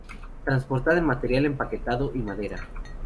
Transportada en material empaquetado y madera.